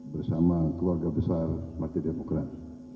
bersama keluarga besar masyarakat